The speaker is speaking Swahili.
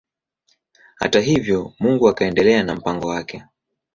Hata hivyo Mungu akaendelea na mpango wake.